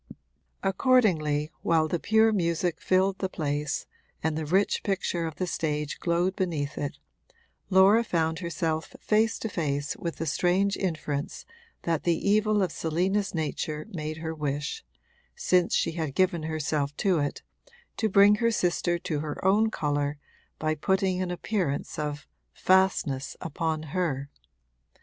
Accordingly, while the pure music filled the place and the rich picture of the stage glowed beneath it, Laura found herself face to face with the strange inference that the evil of Selina's nature made her wish since she had given herself to it to bring her sister to her own colour by putting an appearance of 'fastness' upon her.